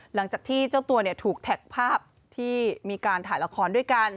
หลังจากที่เจ้าตัวถูกแท็กภาพที่มีการถ่ายละครด้วยกัน